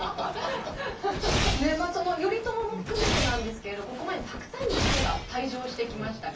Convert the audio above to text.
その頼朝も含めてなんですけれどここまでたくさんの人が退場してきました